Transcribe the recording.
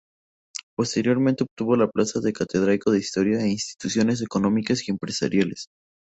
Posteriormente obtuvo la plaza de catedrático de Historia e Instituciones Económicas y Empresariales.